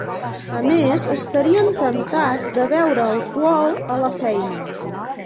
A més, estarien temptats de beure alcohol a la feina.